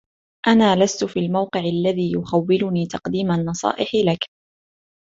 أنا لست في الموقع الذي يخوّلني تقديم النصائح لك